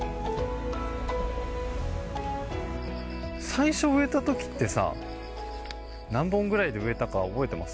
最初植えたときってさ何本ぐらいで植えたか覚えてます？